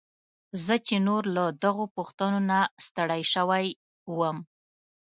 زه چې نور له دغو پوښتنو نه ستړی شوی وم.